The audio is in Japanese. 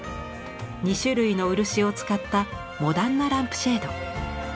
２種類の漆を使ったモダンなランプシェード。